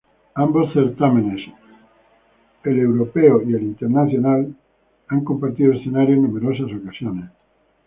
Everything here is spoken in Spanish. Ambos certámenes europeos y el internacional han compartido escenario en numerosas ocasiones.